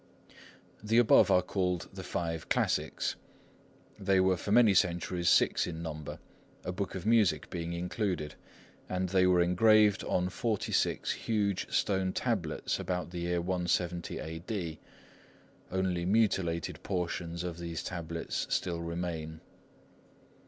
The above are called the Five Classics; they were for many centuries six in number, a Book of Music being included, and they were engraved on forty six huge stone tablets about the year 170 A.D. Only mutilated portions of these tablets still remain.